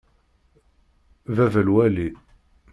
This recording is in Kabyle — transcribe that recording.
Baba lwali.